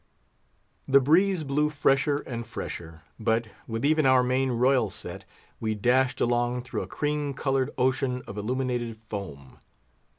The breeze blew fresher and fresher; but, with even our main royal set, we dashed along through a cream coloured ocean of illuminated foam.